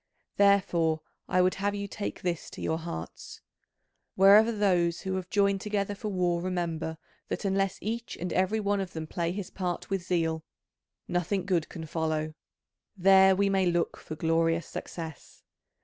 Therefore I would have you take this to your hearts: wherever those who have joined together for war remember that unless each and every one of them play his part with zeal nothing good can follow; there we may look for glorious success.